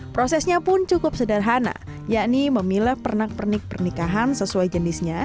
prosesnya pun cukup sederhana yakni memilah pernak pernik pernikahan sesuai jenisnya